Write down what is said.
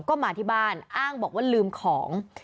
ก็มาที่บ้านอ้างบอกว่าลืมของ